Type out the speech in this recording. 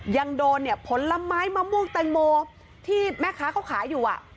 ยังโดนเนี่ยผลไม้มะม่วงแตงโมที่แม่ค้าเขาขายอยู่